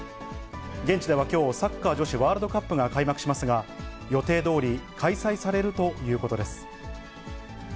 現地ではきょう、サッカー女子ワールドカップが開幕しますが、予定どおり、開催されるということです。